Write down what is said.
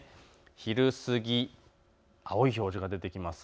昼過ぎ、青い表示が出てきます。